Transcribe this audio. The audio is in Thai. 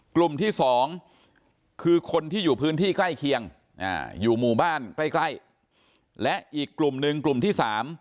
กลุ่มที่๒คือคนที่อยู่พื้นที่ใกล้เคียงอยู่หมู่บ้านใกล้ใกล้และอีกกลุ่มหนึ่งกลุ่มที่๓